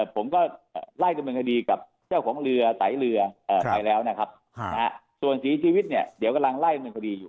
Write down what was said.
ผมก็ไล่จุดบรรคดีกับเจ้าของเรือไตรเรือไปแล้วนะครับส่วนชีวิตเนี่ยเดี๋ยวกำลังไล่จุดบรรคดีอยู่